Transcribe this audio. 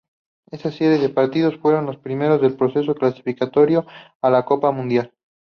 Esta serie de partidos fueron los primeros del proceso clasificatorio a la Copa Mundial.